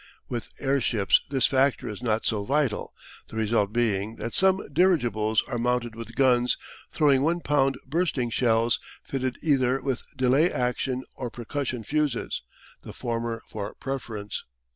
With airships this factor is not so vital, the result being that some dirigibles are mounted with guns, throwing one pound bursting shells, fitted either with delay action or percussion fuses, the former for preference.